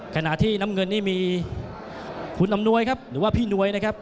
ขณะที่น้ำเงินนี่มีคุณอำนวยครับหรือว่าพี่นวยนะครับ